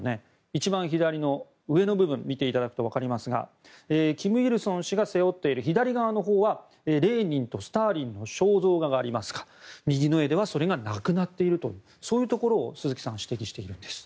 一番左の上の部分を見ていただくとわかりますが金日成氏が背負っている左側のほうにはレーニンとスターリンの肖像画がありますが右の絵ではそれがなくなっているというそういうところを鈴木さんは指摘しているんです。